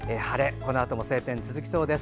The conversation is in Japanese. このあとも晴天が続きそうです。